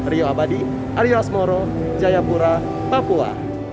rio abadi adi osmoro jayapura papua